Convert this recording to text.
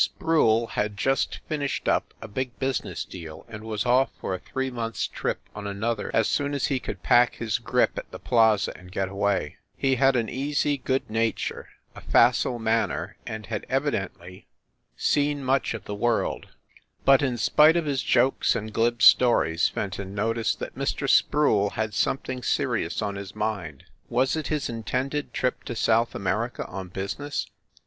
Sproule had just finished up a big busi ness deal, and was off for a three months trip on another as soon as he could pack his grip at the Plaza and get away. He had an easy good nature, a facile manner, and had evidently seen much of the THE SUITE AT THE PLAZA 119 world. But, in spite of his jokes and glib stories, Fenton noticed that Mr. Sproule had something serious on his mind. Was it his intended trip to South America on business